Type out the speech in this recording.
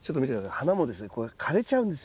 花もですね枯れちゃうんですよ